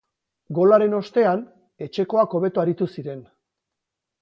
Golaren ostean, etxekoak hobeto aritu ziren.